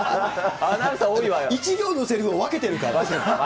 １行のせりふを分けてるから。